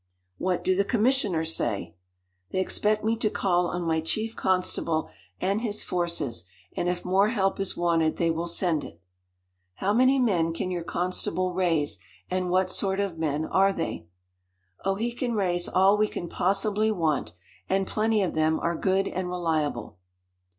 "What do the commissioners say?" "They expect me to call on my chief constable and his forces, and if more help is wanted they will send it." "How many men can your constable raise, and what sort of men are they?" "Oh, he can raise all we can possibly want, and plenty of them are good and reliable."